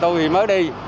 tôi thì mới đi